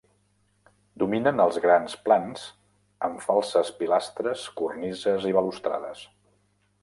Dominen els grans plans amb falses pilastres cornises i balustrades.